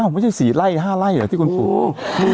ไม่ใช่๔ไร่๕ไร่เหรอที่คุณปลูก